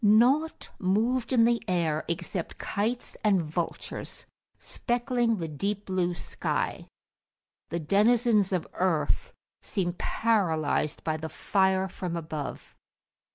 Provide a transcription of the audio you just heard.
Nought moved in the air except kites and vultures, speckling the deep blue sky: the denizens of earth seemed paralysed by the fire from above.